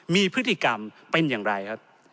มีพฤติกรรมเป็นอย่างไรครับ